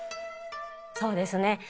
そうですね。